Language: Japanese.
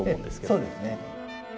ええそうですね。